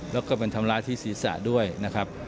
แล้วก็มันทำร้ายที่ศีรษะด้วยนะครับ